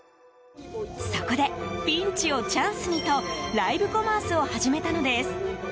そこで、ピンチをチャンスにとライブコマースを始めたのです。